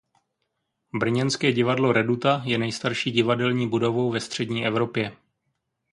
Brněnské divadlo Reduta je nejstarší divadelní budovou ve střední Evropě.